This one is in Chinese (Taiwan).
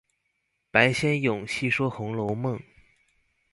白先勇細說紅樓夢